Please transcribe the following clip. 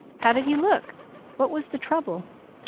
How did he look? What was the trouble?"